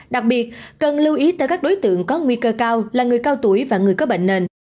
đặc biệt cần lưu ý tới các đối tượng có nguy cơ cao là người cao tuổi và người có bệnh nền